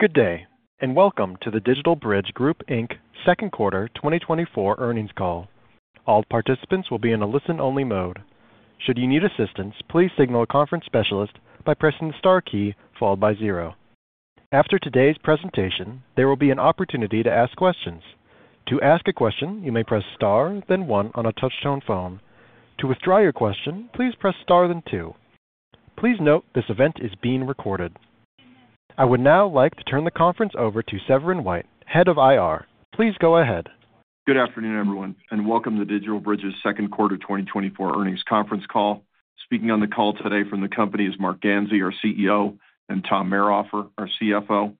Good day, and welcome to the DigitalBridge Group, Inc. second quarter 2024 earnings call. All participants will be in a listen-only mode. Should you need assistance, please signal a conference specialist by pressing the star key followed by zero. After today's presentation, there will be an opportunity to ask questions. To ask a question, you may press Star then one on a touch-tone phone. To withdraw your question, please press Star then two. Please note, this event is being recorded. I would now like to turn the conference over to Severin White, Head of IR. Please go ahead. Good afternoon, everyone, and welcome to DigitalBridge's second quarter 2024 earnings conference call. Speaking on the call today from the company is Marc Ganzi, our CEO, and Tom Mayrhofer, our CFO.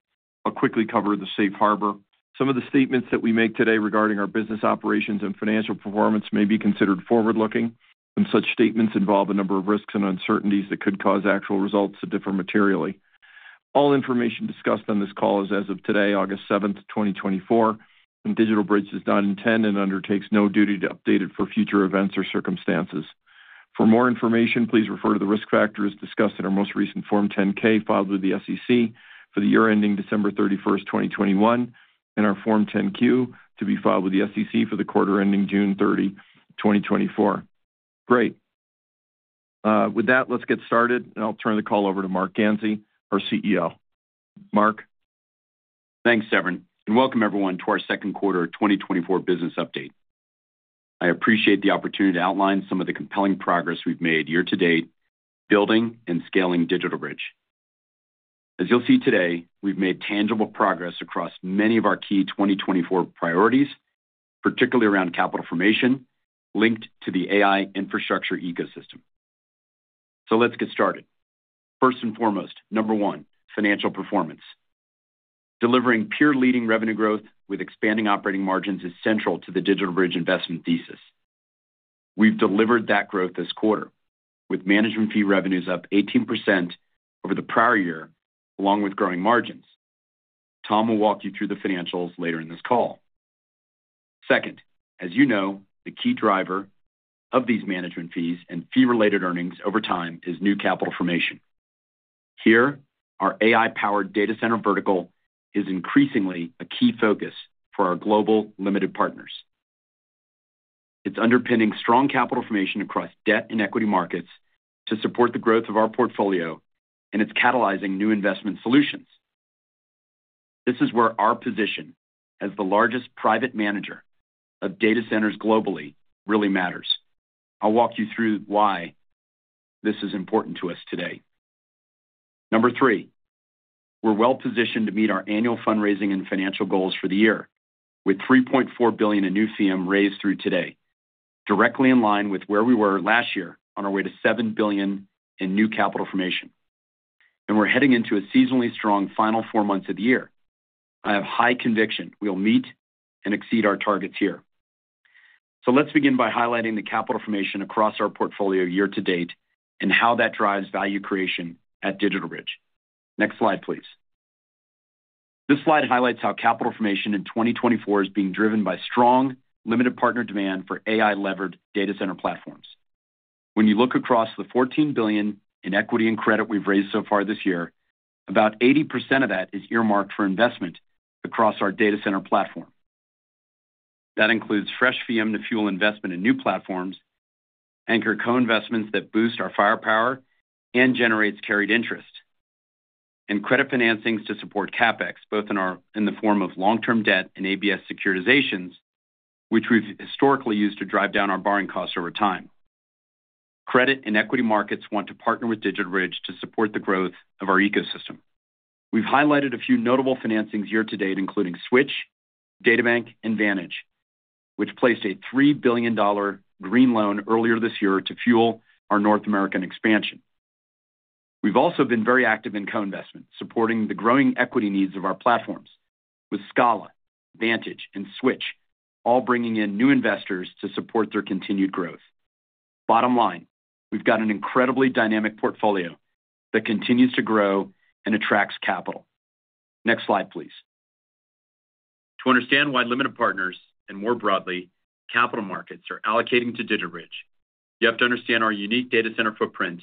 I'll quickly cover the safe harbor. Some of the statements that we make today regarding our business operations and financial performance may be considered forward-looking, and such statements involve a number of risks and uncertainties that could cause actual results to differ materially. All information discussed on this call is as of today, August 7, 2024, and DigitalBridge does not intend and undertakes no duty to update it for future events or circumstances. For more information, please refer to the risk factors discussed in our most recent Form 10-K filed with the SEC for the year ending December 31, 2021, and our Form 10-Q, to be filed with the SEC for the quarter ending June 30, 2024. Great. With that, let's get started, and I'll turn the call over to Marc Ganzi, our CEO. Marc? Thanks, Severin, and welcome everyone to our second quarter 2024 business update. I appreciate the opportunity to outline some of the compelling progress we've made year to date, building and scaling DigitalBridge. As you'll see today, we've made tangible progress across many of our key 2024 priorities, particularly around capital formation, linked to the AI infrastructure ecosystem. So let's get started. First and foremost, number one, financial performance. Delivering peer-leading revenue growth with expanding operating margins is central to the DigitalBridge investment thesis. We've delivered that growth this quarter, with management fee revenues up 18% over the prior year, along with growing margins. Tom will walk you through the financials later in this call. Second, as you know, the key driver of these management fees and fee-related earnings over time is new capital formation. Here, our AI-powered data center vertical is increasingly a key focus for our global limited partners. It's underpinning strong capital formation across debt and equity markets to support the growth of our portfolio, and it's catalyzing new investment solutions. This is where our position as the largest private manager of data centers globally really matters. I'll walk you through why this is important to us today. Number three, we're well positioned to meet our annual fundraising and financial goals for the year, with $3.4 billion in new FEEUM raised through today, directly in line with where we were last year on our way to $7 billion in new capital formation. And we're heading into a seasonally strong final four months of the year. I have high conviction we'll meet and exceed our targets here. Let's begin by highlighting the capital formation across our portfolio year to date and how that drives value creation at DigitalBridge. Next slide, please. This slide highlights how capital formation in 2024 is being driven by strong limited partner demand for AI-levered data center platforms. When you look across the $14 billion in equity and credit we've raised so far this year, about 80% of that is earmarked for investment across our data center platform. That includes fresh AUM to fuel investment in new platforms, anchor co-investments that boost our firepower and generates carried interest, and credit financings to support CapEx, both in the form of long-term debt and ABS securitizations, which we've historically used to drive down our borrowing costs over time. Credit and equity markets want to partner with DigitalBridge to support the growth of our ecosystem. We've highlighted a few notable financings year to date, including Switch, DataBank, and Vantage, which placed a $3 billion green loan earlier this year to fuel our North American expansion. We've also been very active in co-investment, supporting the growing equity needs of our platforms with Scala, Vantage, and Switch, all bringing in new investors to support their continued growth. Bottom line, we've got an incredibly dynamic portfolio that continues to grow and attracts capital. Next slide, please. To understand why limited partners and, more broadly, capital markets are allocating to DigitalBridge, you have to understand our unique data center footprint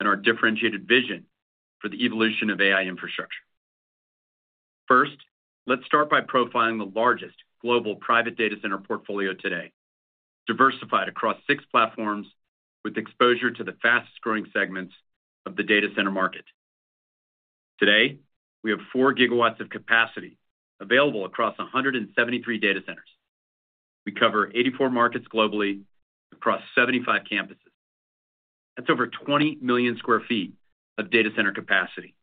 and our differentiated vision for the evolution of AI infrastructure. First, let's start by profiling the largest global private data center portfolio today, diversified across six platforms with exposure to the fastest growing segments of the data center market. Today, we have 4 gigawatts of capacity available across 173 data centers. We cover 84 markets globally across 75 campuses. That's over 20 million sq ft of data center capacity.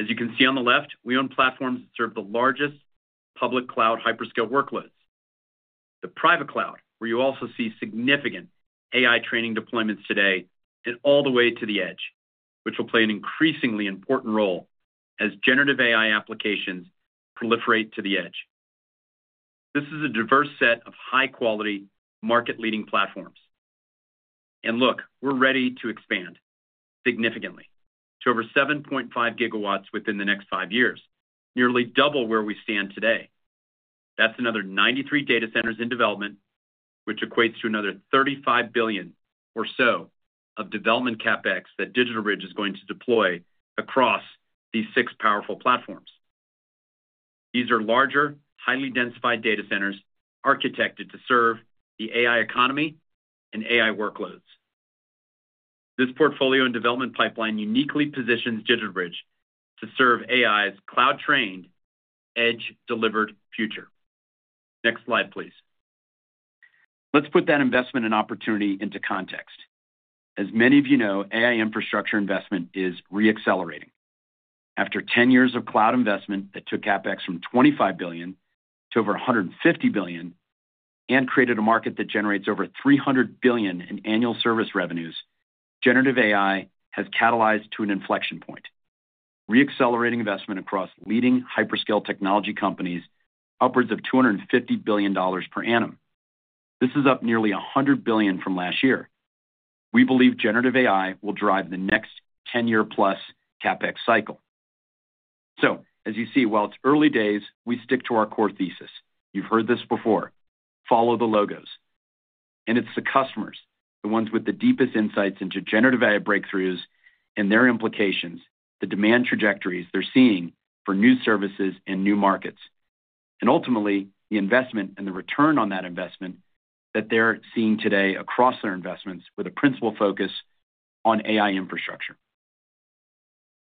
As you can see on the left, we own platforms that serve the largest public cloud hyperscale workloads. The private cloud, where you also see significant AI training deployments today and all the way to the edge, which will play an increasingly important role as generative AI applications proliferate to the edge. This is a diverse set of high-quality, market-leading platforms. And look, we're ready to expand significantly to over 7.5 gigawatts within the next 5 years, nearly double where we stand today.... That's another 93 data centers in development, which equates to another $35 billion or so of development CapEx that DigitalBridge is going to deploy across these 6 powerful platforms. These are larger, highly densified data centers architected to serve the AI economy and AI workloads. This portfolio and development pipeline uniquely positions DigitalBridge to serve AI's cloud-trained, edge-delivered future. Next slide, please. Let's put that investment and opportunity into context. As many of you know, AI infrastructure investment is re-accelerating. After 10 years of cloud investment that took CapEx from $25 billion to over $150 billion, and created a market that generates over $300 billion in annual service revenues, generative AI has catalyzed to an inflection point, re-accelerating investment across leading hyperscale technology companies, upwards of $250 billion per annum. This is up nearly $100 billion from last year. We believe generative AI will drive the next 10-year-plus CapEx cycle. So as you see, while it's early days, we stick to our core thesis. You've heard this before: follow the logos. And it's the customers, the ones with the deepest insights into generative AI breakthroughs and their implications, the demand trajectories they're seeing for new services and new markets, and ultimately, the investment and the return on that investment that they're seeing today across their investments, with a principal focus on AI infrastructure.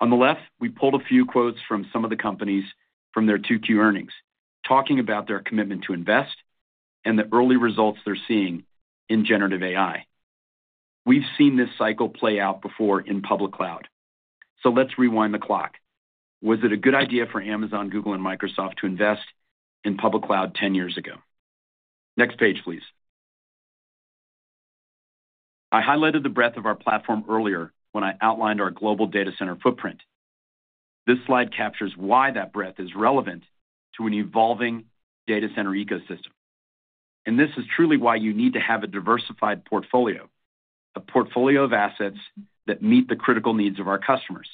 On the left, we pulled a few quotes from some of the companies from their 2Q earnings, talking about their commitment to invest and the early results they're seeing in generative AI. We've seen this cycle play out before in public cloud, so let's rewind the clock. Was it a good idea for Amazon, Google, and Microsoft to invest in public cloud 10 years ago? Next page, please. I highlighted the breadth of our platform earlier when I outlined our global data center footprint. This slide captures why that breadth is relevant to an evolving data center ecosystem. And this is truly why you need to have a diversified portfolio, a portfolio of assets that meet the critical needs of our customers.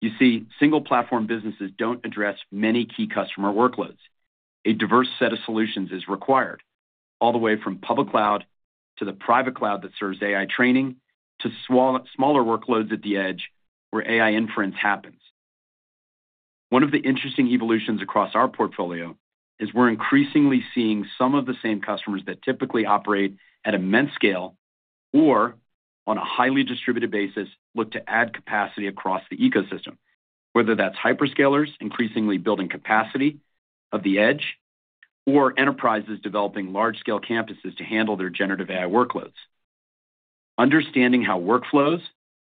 You see, single platform businesses don't address many key customer workloads. A diverse set of solutions is required, all the way from public cloud to the private cloud that serves AI training, to smaller workloads at the edge, where AI inference happens. One of the interesting evolutions across our portfolio is we're increasingly seeing some of the same customers that typically operate at immense scale or on a highly distributed basis, look to add capacity across the ecosystem, whether that's hyperscalers, increasingly building capacity of the edge or enterprises developing large-scale campuses to handle their generative AI workloads. Understanding how workflows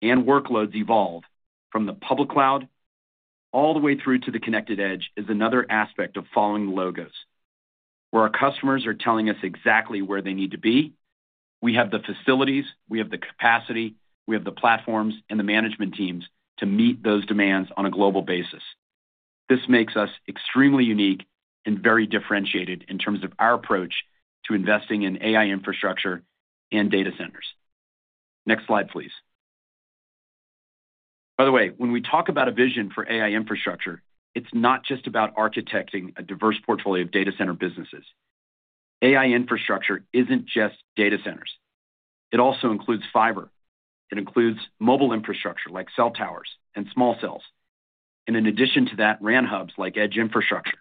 and workloads evolve from the public cloud all the way through to the connected edge is another aspect of following the logos, where our customers are telling us exactly where they need to be. We have the facilities, we have the capacity, we have the platforms and the management teams to meet those demands on a global basis. This makes us extremely unique and very differentiated in terms of our approach to investing in AI infrastructure and data centers. Next slide, please. By the way, when we talk about a vision for AI infrastructure, it's not just about architecting a diverse portfolio of data center businesses. AI infrastructure isn't just data centers. It also includes fiber. It includes mobile infrastructure like cell towers and small cells, and in addition to that, RAN hubs like edge infrastructure.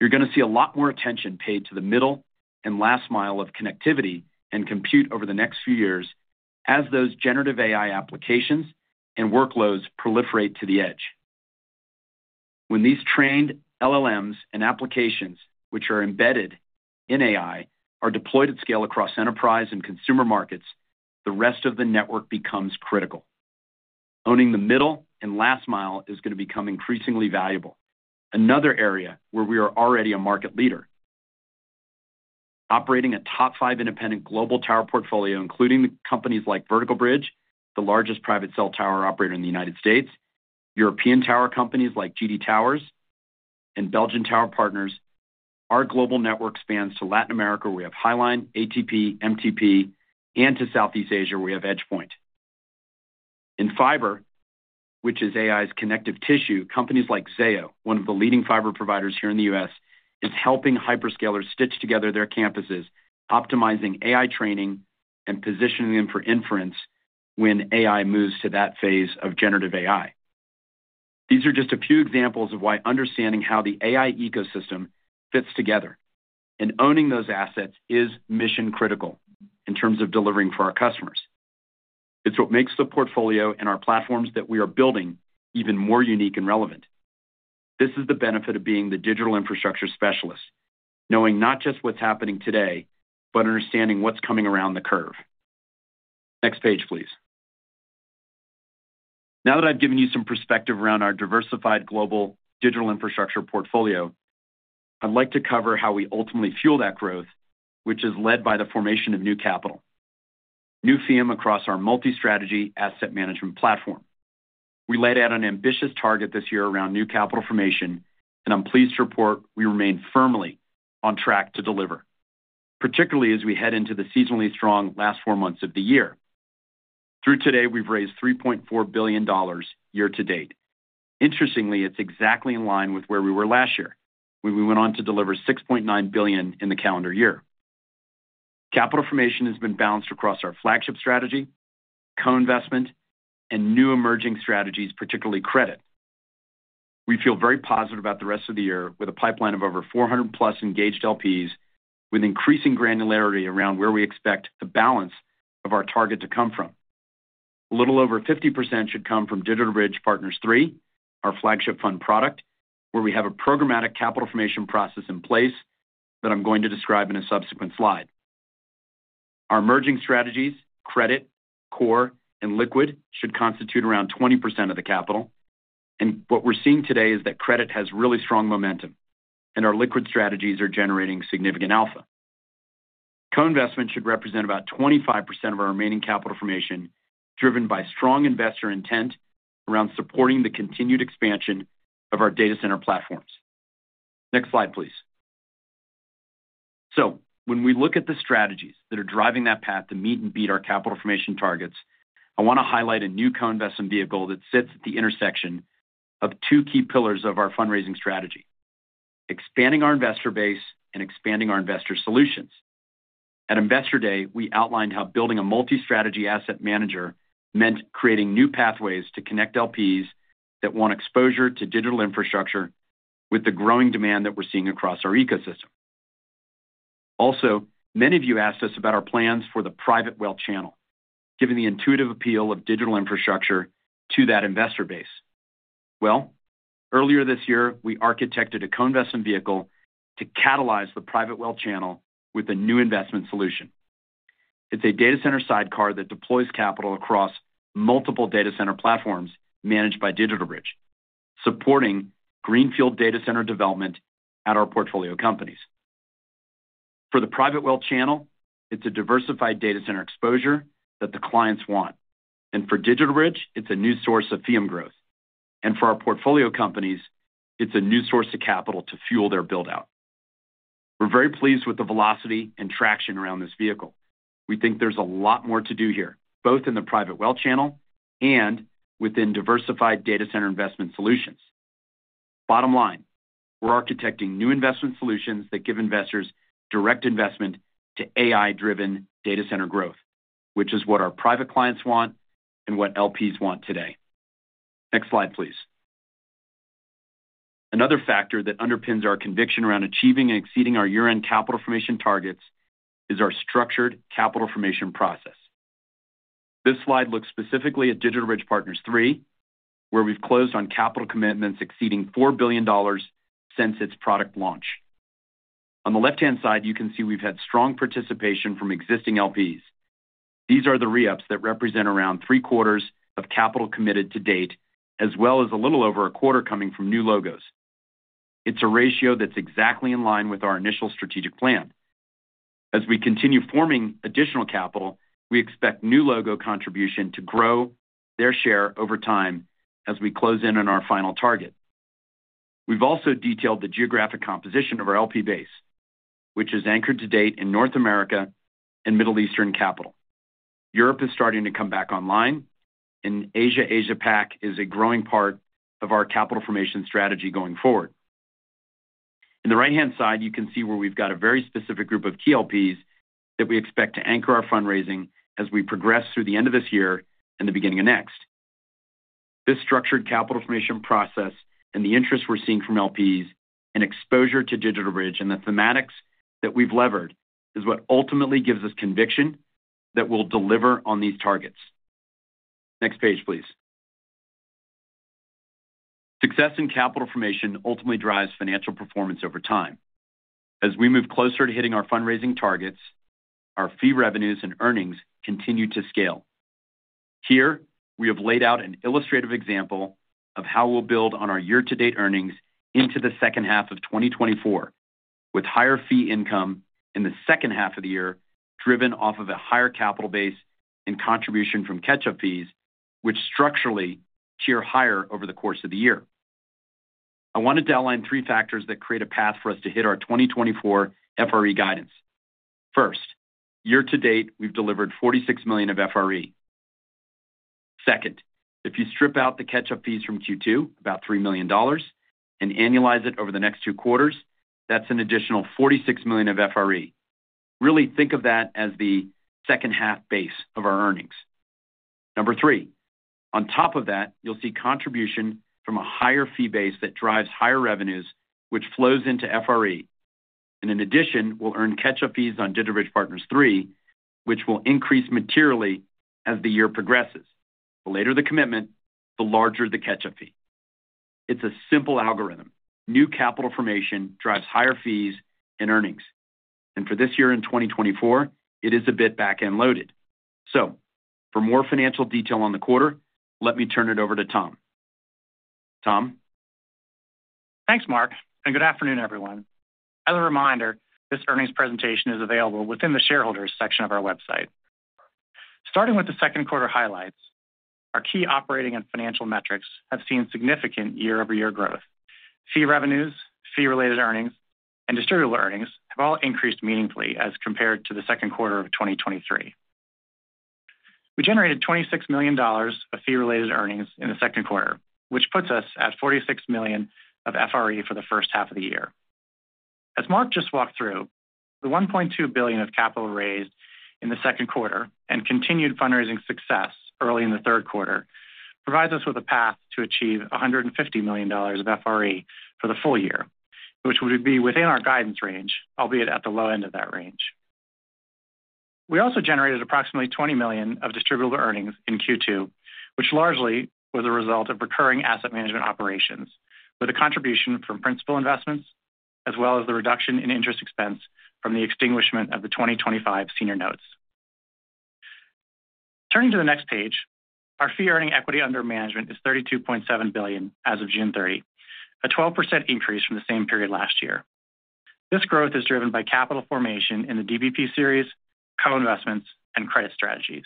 You're going to see a lot more attention paid to the middle and last mile of connectivity and compute over the next few years as those generative AI applications and workloads proliferate to the edge. When these trained LLMs and applications, which are embedded in AI, are deployed at scale across enterprise and consumer markets, the rest of the network becomes critical. Owning the middle and last mile is going to become increasingly valuable. Another area where we are already a market leader. Operating a top five independent global tower portfolio, including the companies like Vertical Bridge, the largest private cell tower operator in the United States, European tower companies like GD Towers and Belgium Tower Partners. Our global network spans to Latin America, where we have Highline, ATP, MTP, and to Southeast Asia, where we have EdgePoint. In fiber, which is AI's connective tissue, companies like Zayo, one of the leading fiber providers here in the U.S., is helping hyperscalers stitch together their campuses, optimizing AI training and positioning them for inference when AI moves to that phase of generative AI. These are just a few examples of why understanding how the AI ecosystem fits together, and owning those assets is mission critical in terms of delivering for our customers. It's what makes the portfolio and our platforms that we are building even more unique and relevant. This is the benefit of being the digital infrastructure specialist, knowing not just what's happening today, but understanding what's coming around the curve. Next page, please. Now that I've given you some perspective around our diversified global digital infrastructure portfolio, I'd like to cover how we ultimately fuel that growth, which is led by the formation of new capital, new fee across our multi-strategy asset management platform. We laid out an ambitious target this year around new capital formation, and I'm pleased to report we remain firmly on track to deliver, particularly as we head into the seasonally strong last four months of the year... Through today, we've raised $3.4 billion year to date. Interestingly, it's exactly in line with where we were last year, when we went on to deliver $6.9 billion in the calendar year. Capital formation has been balanced across our flagship strategy, co-investment, and new emerging strategies, particularly credit. We feel very positive about the rest of the year, with a pipeline of over 400+ engaged LPs, with increasing granularity around where we expect the balance of our target to come from. A little over 50% should come from DigitalBridge Partners III, our flagship fund product, where we have a programmatic capital formation process in place that I'm going to describe in a subsequent slide. Our emerging strategies, credit, core, and liquid, should constitute around 20% of the capital, and what we're seeing today is that credit has really strong momentum, and our liquid strategies are generating significant alpha. Co-investment should represent about 25% of our remaining capital formation, driven by strong investor intent around supporting the continued expansion of our data center platforms. Next slide, please. So when we look at the strategies that are driving that path to meet and beat our capital formation targets, I want to highlight a new co-investment vehicle that sits at the intersection of two key pillars of our fundraising strategy, expanding our investor base and expanding our investor solutions. At Investor Day, we outlined how building a multi-strategy asset manager meant creating new pathways to connect LPs that want exposure to digital infrastructure with the growing demand that we're seeing across our ecosystem. Also, many of you asked us about our plans for the private wealth channel, given the intuitive appeal of digital infrastructure to that investor base. Well, earlier this year, we architected a co-investment vehicle to catalyze the private wealth channel with a new investment solution. It's a data center sidecar that deploys capital across multiple data center platforms managed by DigitalBridge, supporting greenfield data center development at our portfolio companies. For the private wealth channel, it's a diversified data center exposure that the clients want. For DigitalBridge, it's a new source of fee and growth. For our portfolio companies, it's a new source of capital to fuel their build-out. We're very pleased with the velocity and traction around this vehicle. We think there's a lot more to do here, both in the private wealth channel and within diversified data center investment solutions. Bottom line, we're architecting new investment solutions that give investors direct investment to AI-driven data center growth, which is what our private clients want and what LPs want today. Next slide, please. Another factor that underpins our conviction around achieving and exceeding our year-end capital formation targets is our structured capital formation process. This slide looks specifically at DigitalBridge Partners III, where we've closed on capital commitments exceeding $4 billion since its product launch. On the left-hand side, you can see we've had strong participation from existing LPs. These are the re-ups that represent around three quarters of capital committed to date, as well as a little over a quarter coming from new logos. It's a ratio that's exactly in line with our initial strategic plan. As we continue forming additional capital, we expect new logo contribution to grow their share over time as we close in on our final target. We've also detailed the geographic composition of our LP base, which is anchored to date in North America and Middle Eastern capital. Europe is starting to come back online, and Asia, Asia Pac is a growing part of our capital formation strategy going forward. In the right-hand side, you can see where we've got a very specific group of key LPs that we expect to anchor our fundraising as we progress through the end of this year and the beginning of next. This structured capital formation process and the interest we're seeing from LPs and exposure to DigitalBridge and the thematics that we've levered, is what ultimately gives us conviction that we'll deliver on these targets. Next page, please. Success in capital formation ultimately drives financial performance over time. As we move closer to hitting our fundraising targets, our fee revenues and earnings continue to scale. Here, we have laid out an illustrative example of how we'll build on our year-to-date earnings into the second half of 2024, with higher fee income in the second half of the year, driven off of a higher capital base and contribution from catch-up fees, which structurally tier higher over the course of the year. I wanted to outline three factors that create a path for us to hit our 2024 FRE guidance. First, year to date, we've delivered $46 million of FRE. Second, if you strip out the catch-up fees from Q2, about $3 million, and annualize it over the next two quarters, that's an additional $46 million of FRE. Really think of that as the second half base of our earnings. Number three, on top of that, you'll see contribution from a higher fee base that drives higher revenues, which flows into FRE. And in addition, we'll earn catch-up fees on DigitalBridge Partners III, which will increase materially as the year progresses. The later the commitment, the larger the catch-up fee. It's a simple algorithm. New capital formation drives higher fees and earnings, and for this year in 2024, it is a bit back-end loaded. So for more financial detail on the quarter, let me turn it over to Tom. Tom? Thanks, Marc, and good afternoon, everyone. As a reminder, this earnings presentation is available within the shareholders section of our website. Starting with the second quarter highlights. Our key operating and financial metrics have seen significant year-over-year growth. Fee revenues, fee-related earnings, and distributable earnings have all increased meaningfully as compared to the second quarter of 2023. We generated $26 million of fee-related earnings in the second quarter, which puts us at $46 million of FRE for the first half of the year. As Marc just walked through, the $1.2 billion of capital raised in the second quarter and continued fundraising success early in the third quarter, provides us with a path to achieve $150 million of FRE for the full year, which would be within our guidance range, albeit at the low end of that range. We also generated approximately $20 million of distributable earnings in Q2, which largely was a result of recurring asset management operations, with a contribution from principal investments, as well as the reduction in interest expense from the extinguishment of the 2025 senior notes. Turning to the next page, our fee earning equity under management is $32.7 billion as of June 30, a 12% increase from the same period last year. This growth is driven by capital formation in the DBP series, co-investments, and credit strategies.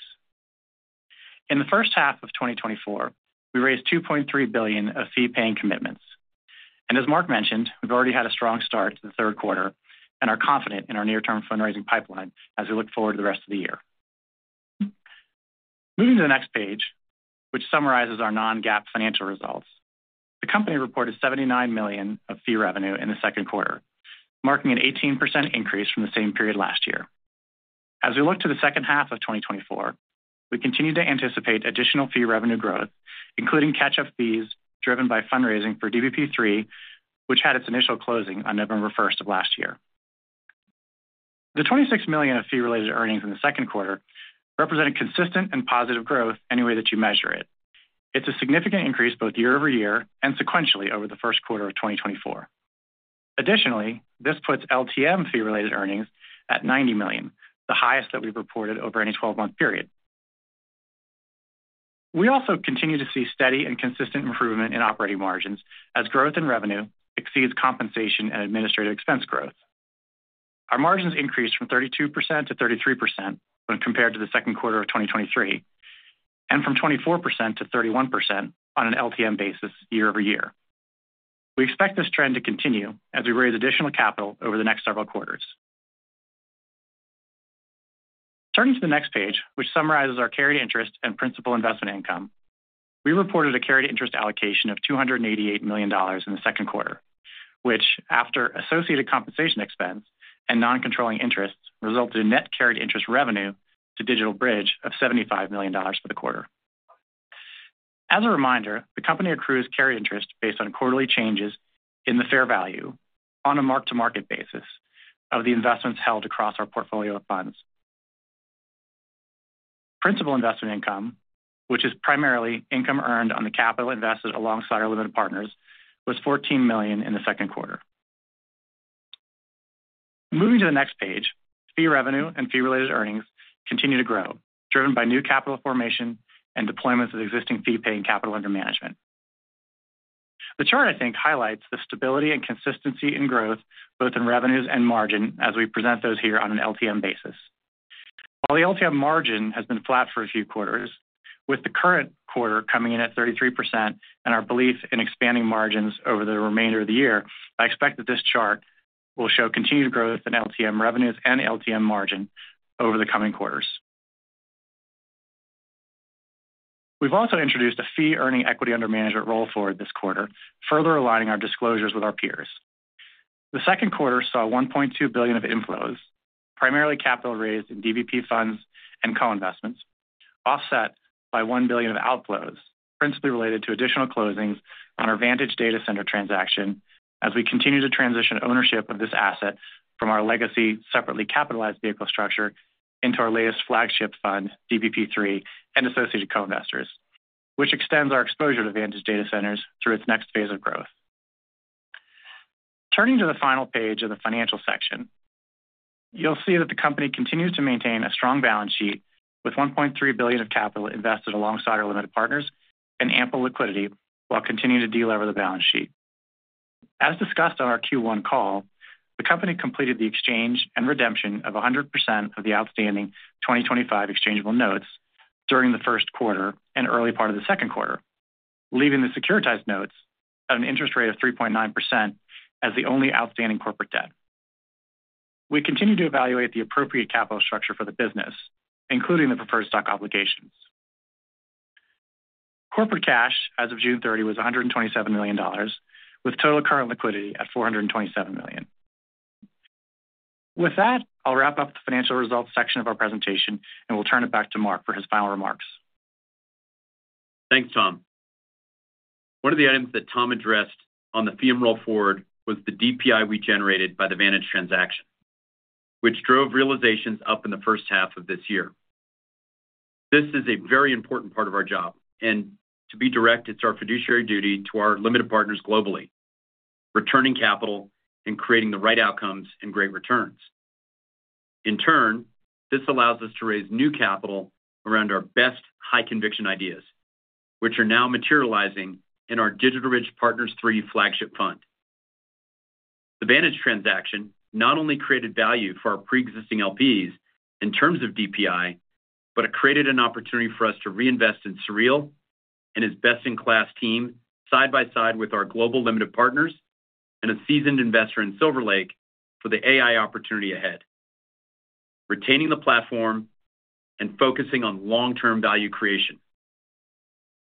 In the first half of 2024, we raised $2.3 billion of fee-paying commitments. And as Marc mentioned, we've already had a strong start to the third quarter and are confident in our near-term fundraising pipeline as we look forward to the rest of the year. Moving to the next page, which summarizes our non-GAAP financial results. The company reported $79 million of fee revenue in the second quarter, marking an 18% increase from the same period last year. As we look to the second half of 2024, we continue to anticipate additional fee revenue growth, including catch-up fees driven by fundraising for DBP III, which had its initial closing on November first of last year. The $26 million of fee-related earnings in the second quarter represented consistent and positive growth any way that you measure it. It's a significant increase both year-over-year and sequentially over the first quarter of 2024. Additionally, this puts LTM fee-related earnings at $90 million, the highest that we've reported over any twelve-month period. We also continue to see steady and consistent improvement in operating margins as growth in revenue exceeds compensation and administrative expense growth. Our margins increased from 32% to 33% when compared to the second quarter of 2023, and from 24% to 31% on an LTM basis year over year. We expect this trend to continue as we raise additional capital over the next several quarters. Turning to the next page, which summarizes our carried interest and principal investment income, we reported a carried interest allocation of $288 million in the second quarter, which, after associated compensation expense and non-controlling interests, resulted in net carried interest revenue to DigitalBridge of $75 million for the quarter. As a reminder, the company accrues carry interest based on quarterly changes in the fair value on a mark-to-market basis of the investments held across our portfolio of funds. Principal investment income, which is primarily income earned on the capital invested alongside our limited partners, was $14 million in the second quarter. Moving to the next page, fee revenue and fee-related earnings continue to grow, driven by new capital formation and deployments of existing fee-paying capital under management. The chart, I think, highlights the stability and consistency in growth, both in revenues and margin, as we present those here on an LTM basis. While the LTM margin has been flat for a few quarters, with the current quarter coming in at 33% and our belief in expanding margins over the remainder of the year, I expect that this chart will show continued growth in LTM revenues and LTM margin over the coming quarters. We've also introduced a fee-earning equity under management roll forward this quarter, further aligning our disclosures with our peers. The second quarter saw $1.2 billion of inflows, primarily capital raised in DBP funds and co-investments, offset by $1 billion of outflows, principally related to additional closings on our Vantage Data Centers transaction, as we continue to transition ownership of this asset from our legacy, separately capitalized vehicle structure into our latest flagship fund, DBP III, and associated co-investors, which extends our exposure to Vantage Data Centers through its next phase of growth. Turning to the final page of the financial section, you'll see that the company continues to maintain a strong balance sheet with $1.3 billion of capital invested alongside our limited partners and ample liquidity, while continuing to de-lever the balance sheet. As discussed on our Q1 call, the company completed the exchange and redemption of 100% of the outstanding 2025 exchangeable notes during the first quarter and early part of the second quarter, leaving the securitized notes at an interest rate of 3.9% as the only outstanding corporate debt. We continue to evaluate the appropriate capital structure for the business, including the preferred stock obligations. Corporate cash as of June 30 was $127 million, with total current liquidity at $427 million. With that, I'll wrap up the financial results section of our presentation, and we'll turn it back to Marc for his final remarks. Thanks, Tom. One of the items that Tom addressed on the fee roll forward was the DPI we generated by the Vantage transaction, which drove realizations up in the first half of this year. This is a very important part of our job, and to be direct, it's our fiduciary duty to our limited partners globally, returning capital and creating the right outcomes and great returns. In turn, this allows us to raise new capital around our best high-conviction ideas, which are now materializing in our DigitalBridge Partners III flagship fund.... The Vantage transaction not only created value for our pre-existing LPs in terms of DPI, but it created an opportunity for us to reinvest in Sureel and his best-in-class team, side by side with our global limited partners and a seasoned investor in Silver Lake for the AI opportunity ahead, retaining the platform and focusing on long-term value creation.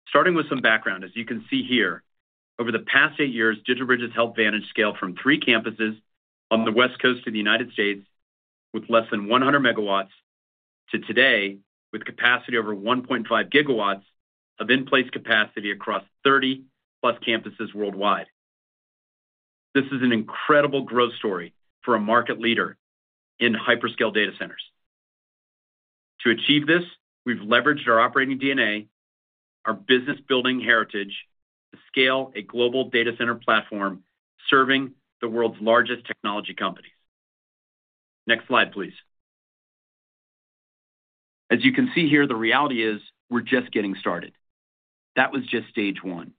Starting with some background, as you can see here, over the past 8 years, DigitalBridge has helped Vantage scale from 3 campuses on the West Coast of the United States, with less than 100 MW, to today, with capacity over 1.5 GW of in-place capacity across 30+ campuses worldwide. This is an incredible growth story for a market leader in hyperscale data centers. To achieve this, we've leveraged our operating DNA, our business-building heritage, to scale a global data center platform serving the world's largest technology companies. Next slide, please. As you can see here, the reality is we're just getting started. That was just stage one.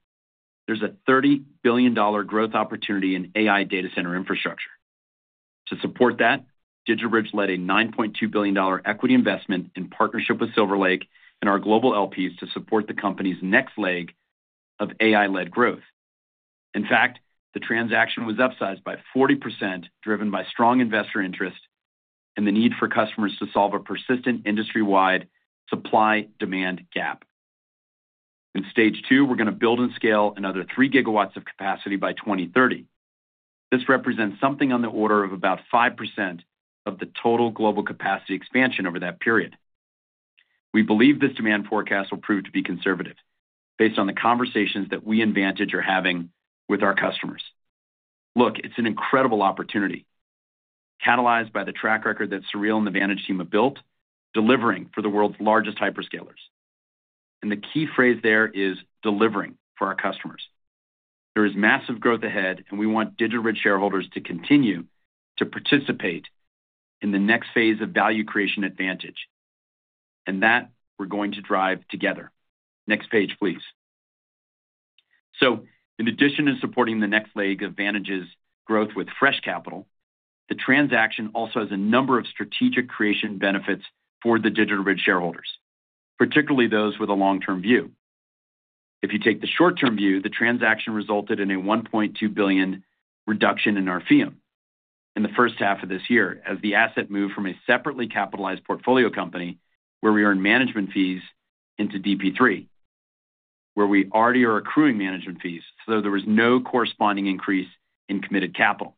There's a $30 billion growth opportunity in AI data center infrastructure. To support that, DigitalBridge led a $9.2 billion equity investment in partnership with Silver Lake and our global LPs to support the company's next leg of AI-led growth. In fact, the transaction was upsized by 40%, driven by strong investor interest and the need for customers to solve a persistent industry-wide supply-demand gap. In stage two, we're going to build and scale another 3 gigawatts of capacity by 2030. This represents something on the order of about 5% of the total global capacity expansion over that period. We believe this demand forecast will prove to be conservative based on the conversations that we and Vantage are having with our customers. Look, it's an incredible opportunity, catalyzed by the track record that Sureel and the Vantage team have built, delivering for the world's largest hyperscalers. And the key phrase there is delivering for our customers. There is massive growth ahead, and we want DigitalBridge shareholders to continue to participate in the next phase of value creation at Vantage, and that we're going to drive together. Next page, please. So in addition to supporting the next leg of Vantage's growth with fresh capital, the transaction also has a number of strategic creation benefits for the DigitalBridge shareholders, particularly those with a long-term view. If you take the short-term view, the transaction resulted in a $1.2 billion reduction in our fee in the first half of this year, as the asset moved from a separately capitalized portfolio company where we earn management fees into DBP III, where we already are accruing management fees. So there was no corresponding increase in committed capital.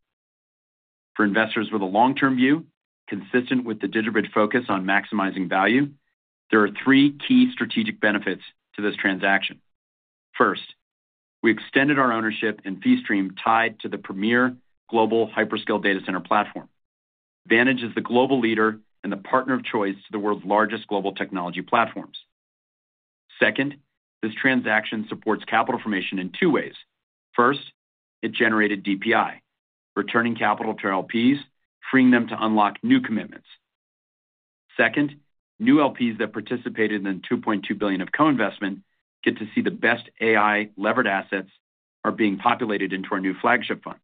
For investors with a long-term view, consistent with the DigitalBridge focus on maximizing value, there are three key strategic benefits to this transaction. First, we extended our ownership and fee stream tied to the premier global hyperscale data center platform. Vantage is the global leader and the partner of choice to the world's largest global technology platforms. Second, this transaction supports capital formation in two ways. First, it generated DPI, returning capital to our LPs, freeing them to unlock new commitments. Second, new LPs that participated in the $2.2 billion of co-investment get to see the best AI-levered assets are being populated into our new flagship fund.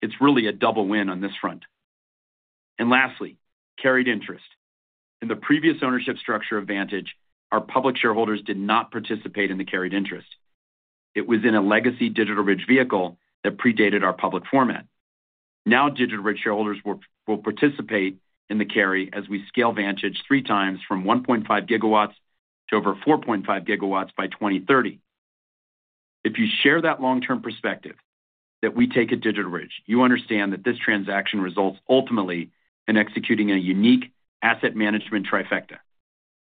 It's really a double win on this front. And lastly, carried interest. In the previous ownership structure of Vantage, our public shareholders did not participate in the carried interest. It was in a legacy DigitalBridge vehicle that predated our public format. Now, DigitalBridge shareholders will participate in the carry as we scale Vantage three times from 1.5 gigawatts to over 4.5 gigawatts by 2030. If you share that long-term perspective that we take at DigitalBridge, you understand that this transaction results ultimately in executing a unique asset management trifecta.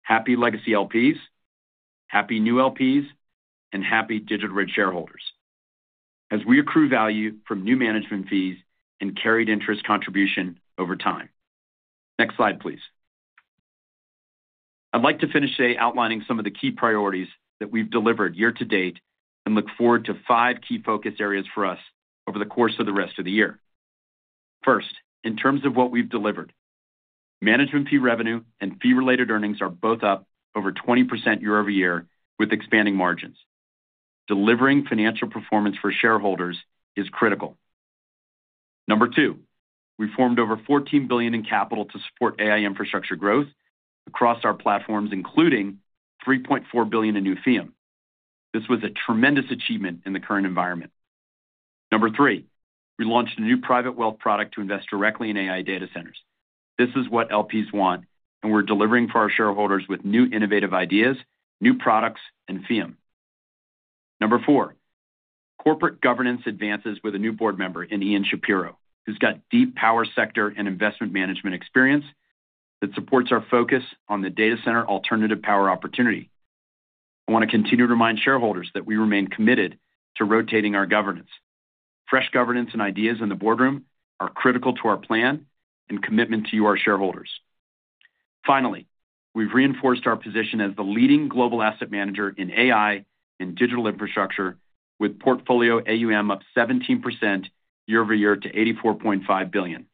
Happy legacy LPs, happy new LPs, and happy DigitalBridge shareholders, as we accrue value from new management fees and carried interest contribution over time. Next slide, please. I'd like to finish today outlining some of the key priorities that we've delivered year to date, and look forward to five key focus areas for us over the course of the rest of the year. First, in terms of what we've delivered, management fee revenue and fee-related earnings are both up over 20% year-over-year, with expanding margins. Delivering financial performance for shareholders is critical. Number two, we formed over $14 billion in capital to support AI infrastructure growth across our platforms, including $3.4 billion in new fee. This was a tremendous achievement in the current environment. Number three, we launched a new private wealth product to invest directly in AI data centers. This is what LPs want, and we're delivering for our shareholders with new innovative ideas, new products, and fee. Number four, corporate governance advances with a new board member in Ian Schapiro, who's got deep power sector and investment management experience that supports our focus on the data center alternative power opportunity. I want to continue to remind shareholders that we remain committed to rotating our governance. Fresh governance and ideas in the boardroom are critical to our plan and commitment to you, our shareholders. Finally, we've reinforced our position as the leading global asset manager in AI and digital infrastructure, with portfolio AUM up 17% year-over-year to $84.5 billion....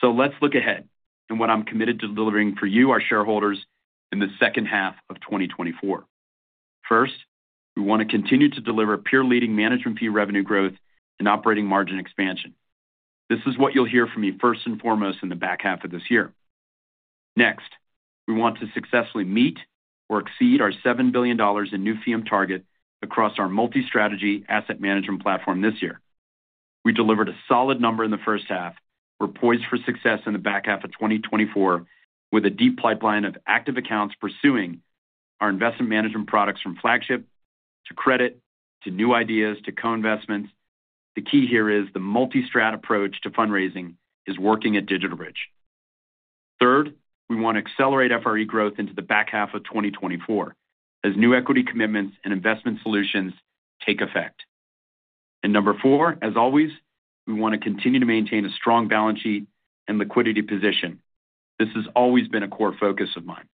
So let's look ahead and what I'm committed to delivering for you, our shareholders, in the second half of 2024. First, we wanna continue to deliver peer-leading management fee revenue growth and operating margin expansion. This is what you'll hear from me first and foremost in the back half of this year. Next, we want to successfully meet or exceed our $7 billion in new fee target across our multi-strategy asset management platform this year. We delivered a solid number in the first half. We're poised for success in the back half of 2024, with a deep pipeline of active accounts pursuing our investment management products, from flagship, to credit, to new ideas, to co-investments. The key here is the multi-strat approach to fundraising is working at DigitalBridge. Third, we wanna accelerate FRE growth into the back half of 2024, as new equity commitments and investment solutions take effect. Number four, as always, we wanna continue to maintain a strong balance sheet and liquidity position. This has always been a core focus of mine.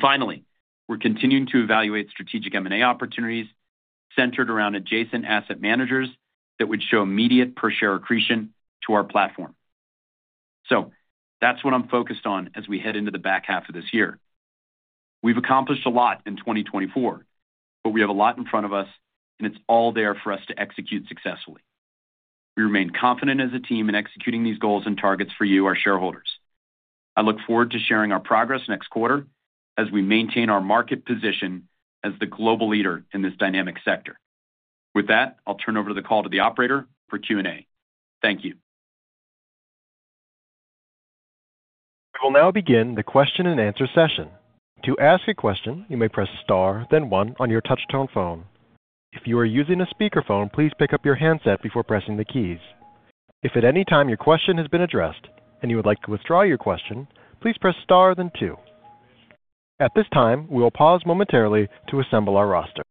Finally, we're continuing to evaluate strategic M&A opportunities centered around adjacent asset managers that would show immediate per share accretion to our platform. So that's what I'm focused on as we head into the back half of this year. We've accomplished a lot in 2024, but we have a lot in front of us, and it's all there for us to execute successfully. We remain confident as a team in executing these goals and targets for you, our shareholders. I look forward to sharing our progress next quarter as we maintain our market position as the global leader in this dynamic sector. With that, I'll turn over the call to the operator for Q&A. Thank you. We will now begin the question-and-answer session. To ask a question, you may press star, then one on your touch-tone phone. If you are using a speakerphone, please pick up your handset before pressing the keys. If at any time your question has been addressed and you would like to withdraw your question, please press star then two. At this time, we will pause momentarily to assemble our roster.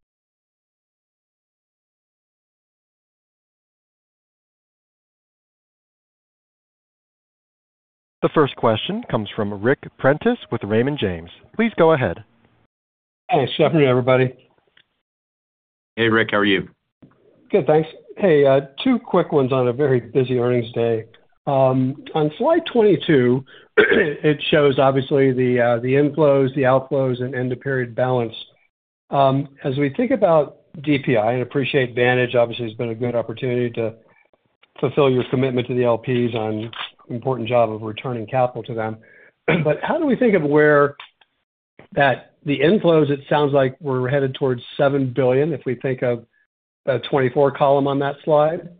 The first question comes from Ric Prentiss with Raymond James. Please go ahead. Hey, good afternoon, everybody. Hey, Ric, how are you? Good, thanks. Hey, two quick ones on a very busy earnings day. On slide 22, it shows obviously the inflows, the outflows, and end-of-period balance. As we think about DPI and appreciate Vantage, obviously has been a good opportunity to fulfill your commitment to the LPs on important job of returning capital to them. But how do we think of where at the inflows it sounds like we're headed towards $7 billion, if we think of the 2024 column on that slide? Where,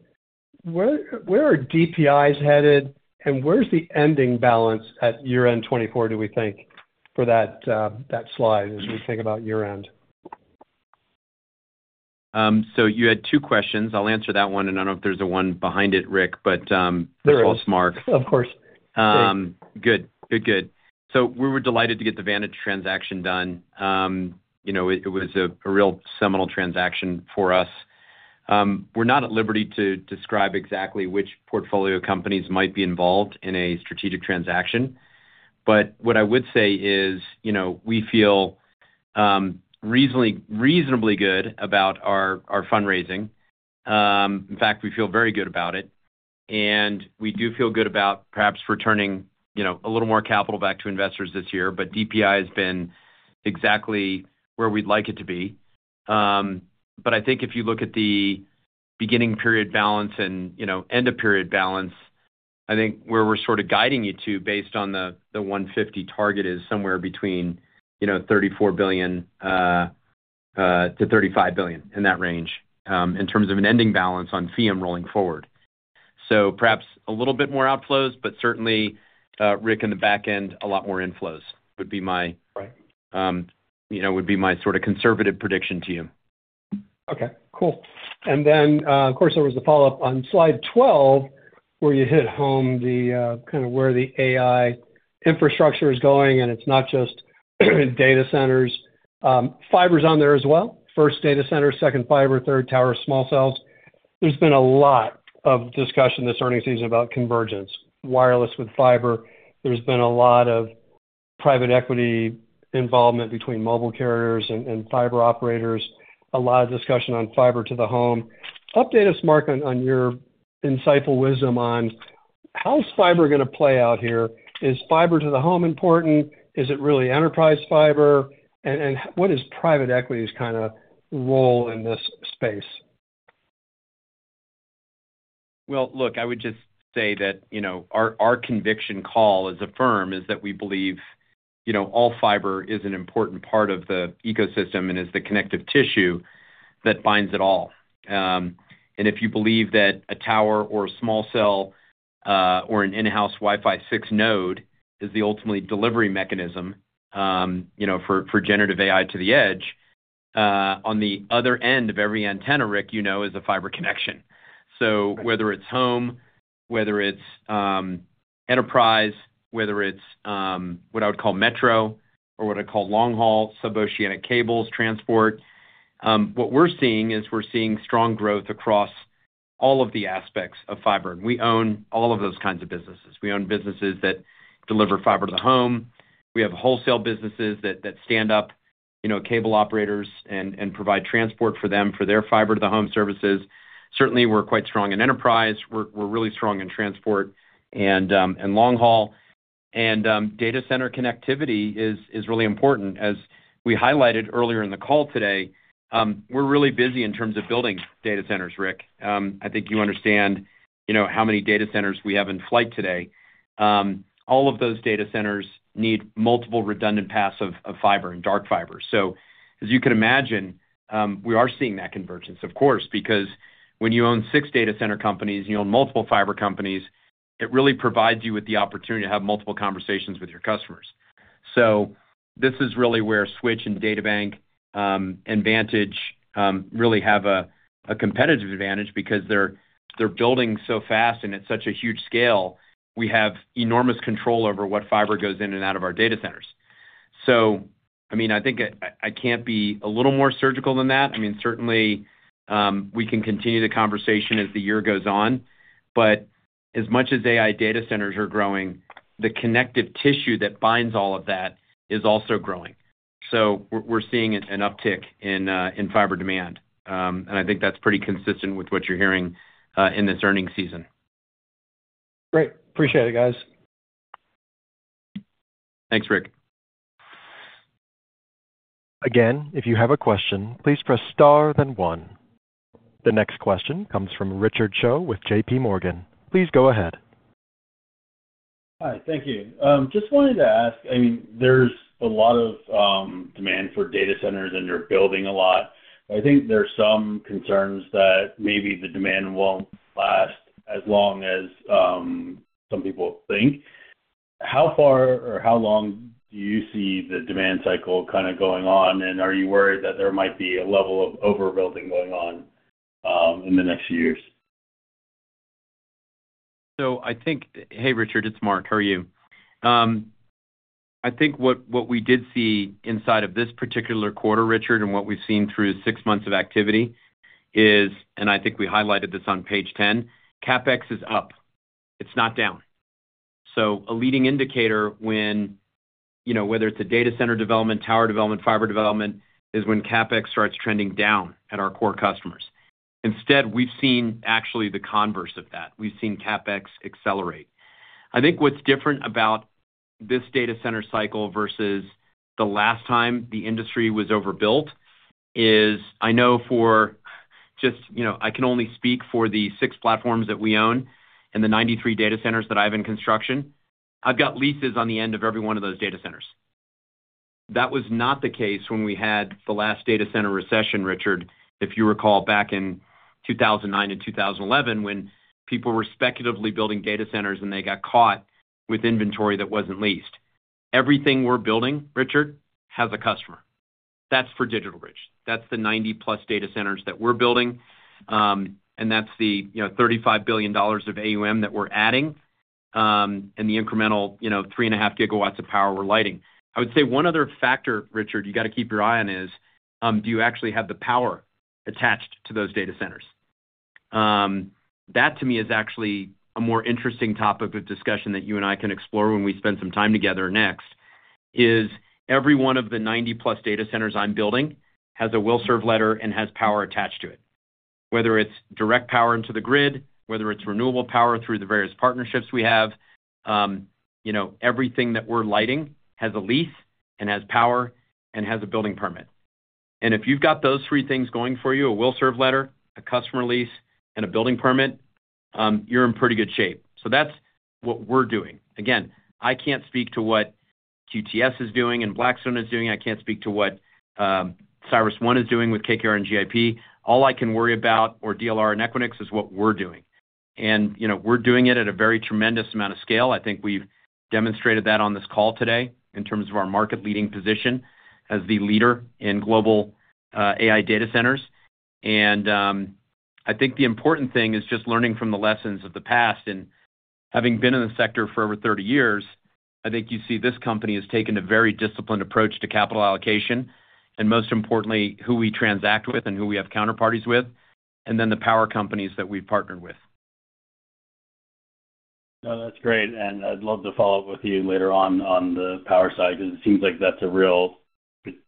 where are DPIs headed, and where's the ending balance at year-end 2024, do we think, for that, that slide, as we think about year-end? You had two questions. I'll answer that one, and I don't know if there's a one behind it, Ric, but let's hold Marc. Of course. Good. Good, good. So we were delighted to get the Vantage transaction done. You know, it was a real seminal transaction for us. We're not at liberty to describe exactly which portfolio companies might be involved in a strategic transaction. But what I would say is, you know, we feel reasonably good about our fundraising. In fact, we feel very good about it, and we do feel good about perhaps returning, you know, a little more capital back to investors this year. But DPI has been exactly where we'd like it to be. But I think if you look at the beginning period balance and, you know, end of period balance, I think where we're sort of guiding you to, based on the $150 target, is somewhere between, you know, $34 billion-$35 billion, in that range, in terms of an ending balance on fee and rolling forward. So perhaps a little bit more outflows, but certainly, Ric, in the back end, a lot more inflows would be my- Right. You know, would be my sort of conservative prediction to you. Okay, cool. And then, of course, there was the follow-up on slide 12, where you hit home, the kind of where the AI infrastructure is going, and it's not just data centers. Fiber's on there as well. First data center, second fiber, third tower, small cells. There's been a lot of discussion this earnings season about convergence, wireless with fiber. There's been a lot of private equity involvement between mobile carriers and fiber operators, a lot of discussion on fiber to the home. Update us, Marc, on your insightful wisdom on how's fiber gonna play out here. Is fiber to the home important? Is it really enterprise fiber? And what is private equity's kind of role in this space? Well, look, I would just say that, you know, our, our conviction call as a firm is that we believe, you know, all fiber is an important part of the ecosystem and is the connective tissue that binds it all. And if you believe that a tower or a small cell, or an in-house Wi-Fi 6 node is the ultimate delivery mechanism, you know, for, for generative AI to the edge, on the other end of every antenna, Ric, you know, is a fiber connection. So whether it's home, whether it's, enterprise, whether it's, what I would call metro or what I call long-haul, sub-oceanic cables transport, what we're seeing is we're seeing strong growth across all of the aspects of fiber, and we own all of those kinds of businesses. We own businesses that deliver fiber to the home. We have wholesale businesses that stand up, you know, cable operators and provide transport for them, for their fiber-to-the-home services. Certainly, we're quite strong in enterprise. We're really strong in transport and long haul. And data center connectivity is really important. As we highlighted earlier in the call today, we're really busy in terms of building data centers, Ric. I think you understand, you know, how many data centers we have in flight today. All of those data centers need multiple redundant paths of fiber and dark fiber. So as you can imagine, we are seeing that convergence, of course, because when you own six data center companies, you own multiple fiber companies, it really provides you with the opportunity to have multiple conversations with your customers. So this is really where Switch and DataBank and Vantage really have a competitive advantage because they're building so fast and at such a huge scale. We have enormous control over what fiber goes in and out of our data centers. So, I mean, I can't be a little more surgical than that. I mean, certainly, we can continue the conversation as the year goes on, but as much as AI data centers are growing, the connective tissue that binds all of that is also growing. So we're seeing an uptick in fiber demand, and I think that's pretty consistent with what you're hearing in this earnings season. Great. Appreciate it, guys. Thanks, Ric. Again, if you have a question, please press star, then one. The next question comes from Richard Choe with J.P. Morgan. Please go ahead. Hi, thank you. Just wanted to ask, I mean, there's a lot of demand for data centers, and you're building a lot. I think there are some concerns that maybe the demand won't last as long as some people think. How far or how long do you see the demand cycle kinda going on, and are you worried that there might be a level of overbuilding going on in the next few years? So I think—Hey, Richard, it's Marc. How are you? I think what we did see inside of this particular quarter, Richard, and what we've seen through six months of activity is, and I think we highlighted this on page 10, CapEx is up. It's not down. So a leading indicator when, you know, whether it's a data center development, tower development, fiber development, is when CapEx starts trending down at our core customers. Instead, we've seen actually the converse of that. We've seen CapEx accelerate. I think what's different about this data center cycle versus the last time the industry was overbuilt is, I know for just, you know, I can only speak for the six platforms that we own and the 93 data centers that I have in construction. I've got leases on the end of every one of those data centers. That was not the case when we had the last data center recession, Richard, if you recall back in 2009 and 2011, when people were speculatively building data centers, and they got caught with inventory that wasn't leased. Everything we're building, Richard, has a customer. That's for DigitalBridge. That's the 90+ data centers that we're building, and that's the, you know, $35 billion of AUM that we're adding, and the incremental, you know, 3.5 gigawatts of power we're lighting. I would say one other factor, Richard, you got to keep your eye on is, do you actually have the power attached to those data centers? That to me, is actually a more interesting topic of discussion that you and I can explore when we spend some time together next, is every one of the 90+ data centers I'm building has a will serve letter and has power attached to it. Whether it's direct power into the grid, whether it's renewable power through the various partnerships we have, you know, everything that we're lighting has a lease and has power and has a building permit. And if you've got those three things going for you, a will serve letter, a customer lease, and a building permit, you're in pretty good shape. So that's what we're doing. Again, I can't speak to what QTS is doing and Blackstone is doing. I can't speak to what CyrusOne is doing with KKR and GIP. All I can worry about with DLR and Equinix is what we're doing. And, you know, we're doing it at a very tremendous amount of scale. I think we've demonstrated that on this call today in terms of our market-leading position as the leader in global AI data centers. And, I think the important thing is just learning from the lessons of the past and having been in the sector for over 30 years, I think you see this company has taken a very disciplined approach to capital allocation, and most importantly, who we transact with and who we have counterparties with, and then the power companies that we've partnered with. No, that's great, and I'd love to follow up with you later on on the power side, because it seems like that's a real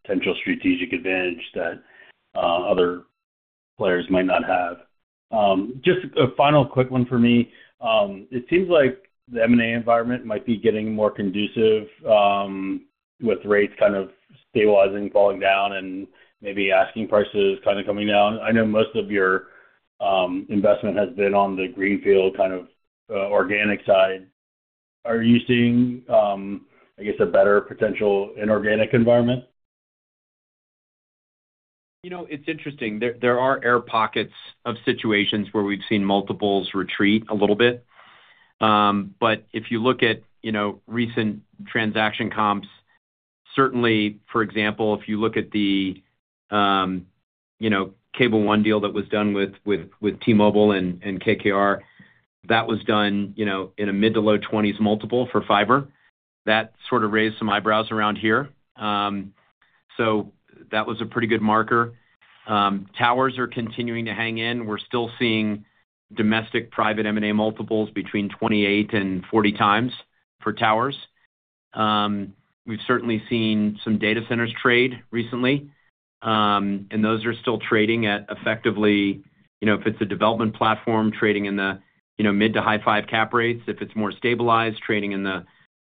potential strategic advantage that other players might not have. Just a final quick one for me. It seems like the M&A environment might be getting more conducive with rates kind of stabilizing, falling down, and maybe asking prices kinda coming down. I know most of your investment has been on the greenfield, kind of, organic side. Are you seeing, I guess, a better potential inorganic environment? You know, it's interesting. There are air pockets of situations where we've seen multiples retreat a little bit. But if you look at, you know, recent transaction comps, certainly, for example, if you look at the, you know, Cable One deal that was done with T-Mobile and KKR, that was done, you know, in a mid- to low-20s multiple for fiber. That sort of raised some eyebrows around here. So that was a pretty good marker. Towers are continuing to hang in. We're still seeing domestic private M&A multiples between 28x and 40x for towers. We've certainly seen some data centers trade recently, and those are still trading at effectively, you know, if it's a development platform, trading in the, you know, mid- to high-5 cap rates, if it's more stabilized, trading in the,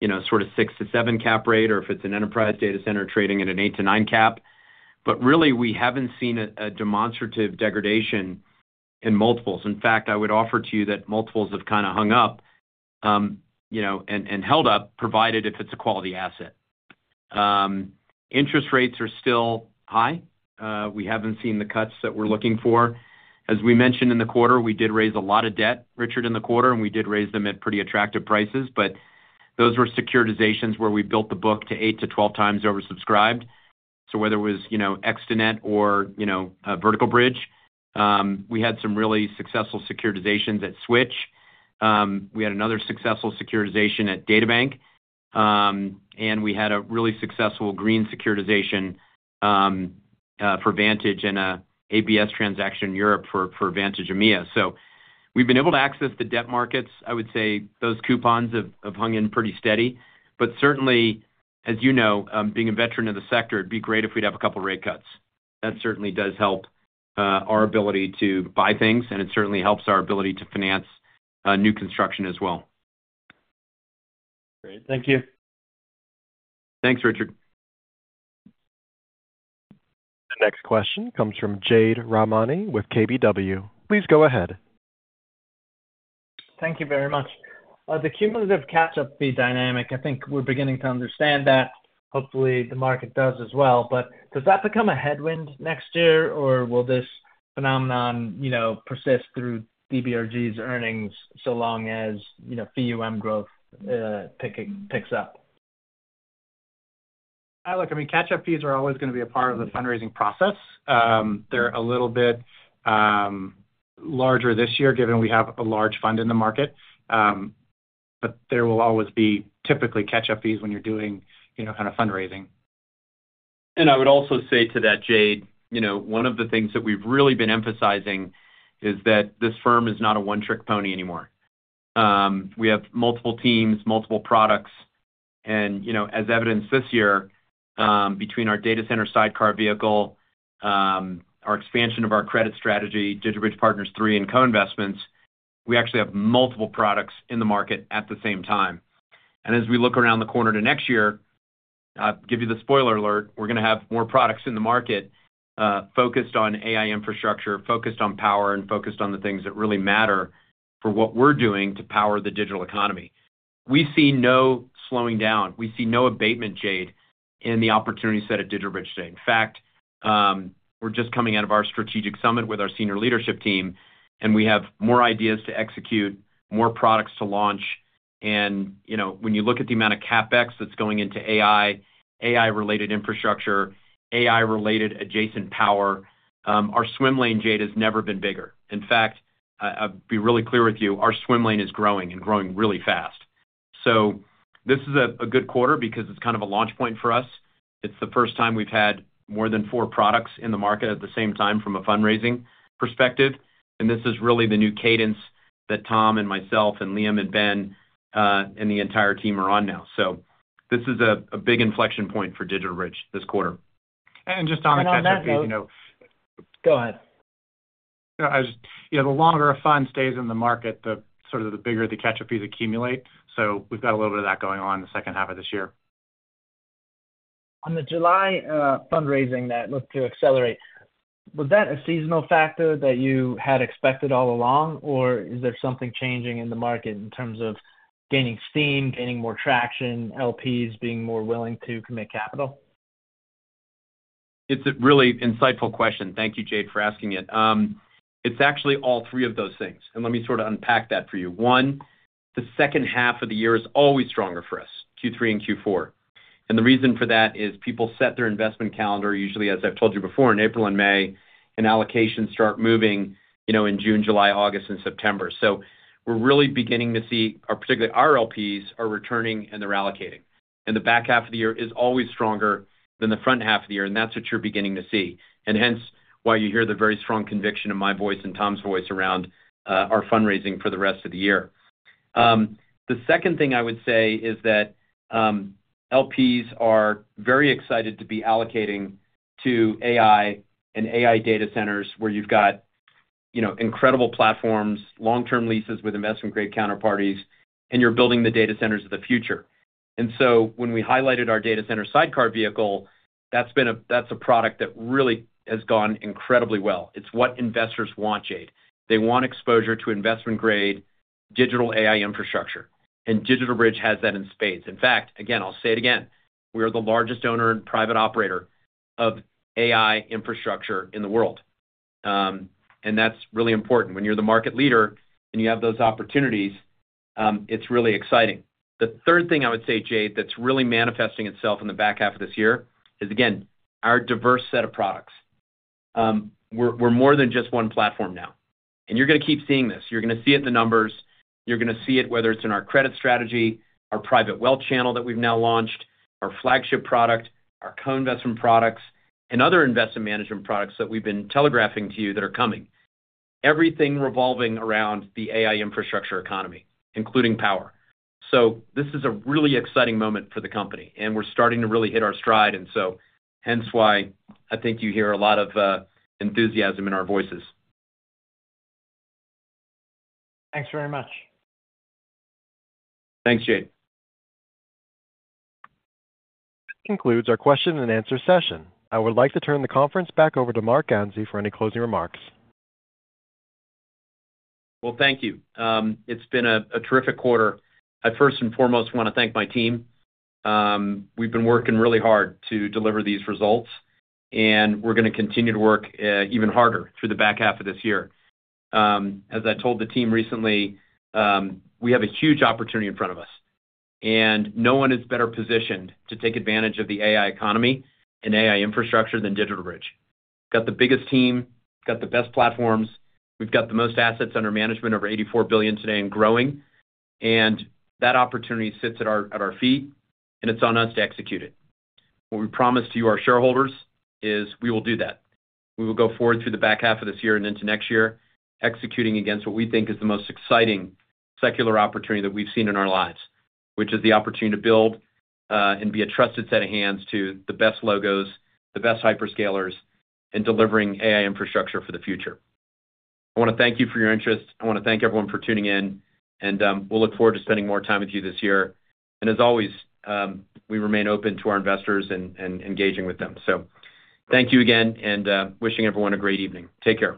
you know, sort of 6-7 cap rate, or if it's an enterprise data center, trading at an 8-9 cap. But really, we haven't seen a demonstrative degradation in multiples. In fact, I would offer to you that multiples have kinda hung up, you know, and held up, provided if it's a quality asset. Interest rates are still high. We haven't seen the cuts that we're looking for. As we mentioned in the quarter, we did raise a lot of debt, Richard, in the quarter, and we did raise them at pretty attractive prices. But those were securitizations where we built the book to 8-12 times oversubscribed. So whether it was, you know, Extenet or, you know, Vertical Bridge, we had some really successful securitizations at Switch. We had another successful securitization at DataBank, and we had a really successful green securitization for Vantage and a ABS transaction in Europe for Vantage EMEA. So we've been able to access the debt markets. I would say those coupons have hung in pretty steady, but certainly, as you know, being a veteran of the sector, it'd be great if we'd have a couple rate cuts. That certainly does help our ability to buy things, and it certainly helps our ability to finance new construction as well. Great. Thank you. Thanks, Richard. The next question comes from Jade Rahmani with KBW. Please go ahead. Thank you very much. The cumulative catch-up fee dynamic, I think we're beginning to understand that. Hopefully, the market does as well. But does that become a headwind next year, or will this phenomenon, you know, persist through DBRG's earnings, so long as, you know, FEEUM growth picks up? Look, I mean, catch-up fees are always gonna be a part of the fundraising process. They're a little bit larger this year, given we have a large fund in the market. But there will always be typically catch-up fees when you're doing, you know, kind of fundraising. I would also say to that, Jade, you know, one of the things that we've really been emphasizing is that this firm is not a one-trick pony anymore. We have multiple teams, multiple products, and, you know, as evidenced this year, between our data center sidecar vehicle, our expansion of our credit strategy, DigitalBridge Partners III and co-investments, we actually have multiple products in the market at the same time. As we look around the corner to next year, I'll give you the spoiler alert, we're gonna have more products in the market, focused on AI infrastructure, focused on power, and focused on the things that really matter for what we're doing to power the digital economy. We see no slowing down. We see no abatement, Jade, in the opportunity set at DigitalBridge today. In fact, we're just coming out of our strategic summit with our senior leadership team, and we have more ideas to execute, more products to launch, and, you know, when you look at the amount of CapEx that's going into AI, AI-related infrastructure, AI-related adjacent power, our swim lane, Jade, has never been bigger. In fact, I, I'll be really clear with you, our swim lane is growing and growing really fast. So this is a good quarter because it's kind of a launch point for us. It's the first time we've had more than four products in the market at the same time from a fundraising perspective, and this is really the new cadence that Tom and myself and Liam and Ben, and the entire team are on now. So this is a big inflection point for DigitalBridge this quarter. Just on a catch-up fee, you know. Go ahead. As you know, the longer a fund stays in the market, the sort of the bigger the catch-up fees accumulate. So we've got a little bit of that going on in the second half of this year. On the July fundraising that looked to accelerate, was that a seasonal factor that you had expected all along, or is there something changing in the market in terms of gaining steam, gaining more traction, LPs being more willing to commit capital? It's a really insightful question. Thank you, Jade, for asking it. It's actually all three of those things, and let me sort of unpack that for you. One, the second half of the year is always stronger for us, Q3 and Q4. And the reason for that is people set their investment calendar, usually, as I've told you before, in April and May, and allocations start moving, you know, in June, July, August, and September. So we're really beginning to see, particularly our LPs are returning, and they're allocating. And the back half of the year is always stronger than the front half of the year, and that's what you're beginning to see. And hence, why you hear the very strong conviction in my voice and Tom's voice around, our fundraising for the rest of the year. The second thing I would say is that, LPs are very excited to be allocating to AI and AI data centers where you've got, you know, incredible platforms, long-term leases with investment-grade counterparties, and you're building the data centers of the future. And so when we highlighted our data center sidecar vehicle, that's a product that really has gone incredibly well. It's what investors want, Jade. They want exposure to investment-grade digital AI infrastructure, and DigitalBridge has that in spades. In fact, again, I'll say it again, we are the largest owner and private operator of AI infrastructure in the world. And that's really important. When you're the market leader and you have those opportunities, it's really exciting. The third thing I would say, Jade, that's really manifesting itself in the back half of this year is, again, our diverse set of products. We're more than just one platform now, and you're gonna keep seeing this. You're gonna see it in the numbers. You're gonna see it whether it's in our credit strategy, our private wealth channel that we've now launched, our flagship product, our co-investment products, and other investment management products that we've been telegraphing to you that are coming. Everything revolving around the AI infrastructure economy, including power. So this is a really exciting moment for the company, and we're starting to really hit our stride, and so hence why I think you hear a lot of enthusiasm in our voices. Thanks very much. Thanks, Jade. This concludes our question and answer session. I would like to turn the conference back over to Marc Ganzi for any closing remarks. Well, thank you. It's been a terrific quarter. I first and foremost want to thank my team. We've been working really hard to deliver these results, and we're gonna continue to work even harder through the back half of this year. As I told the team recently, we have a huge opportunity in front of us, and no one is better positioned to take advantage of the AI economy and AI infrastructure than DigitalBridge. Got the biggest team, got the best platforms, we've got the most assets under management, over $84 billion today and growing, and that opportunity sits at our feet, and it's on us to execute it. What we promise to you, our shareholders, is we will do that. We will go forward through the back half of this year and into next year, executing against what we think is the most exciting secular opportunity that we've seen in our lives, which is the opportunity to build and be a trusted set of hands to the best logos, the best hyperscalers, and delivering AI infrastructure for the future. I wanna thank you for your interest. I wanna thank everyone for tuning in, and we'll look forward to spending more time with you this year. And as always, we remain open to our investors and engaging with them. So thank you again, and wishing everyone a great evening. Take care.